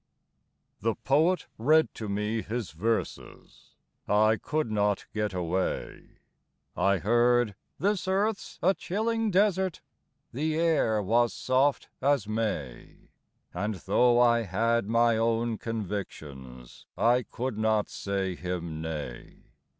HE Poet read to me his verses (I could not get away). I heard, " This earth 's a chilling desert" — (The air was soft as May) ; And though I had my own convictions, I could not say him nay.